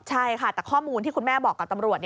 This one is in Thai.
ใช่ค่ะแต่ข้อมูลที่คุณแม่บอกกับตำรวจ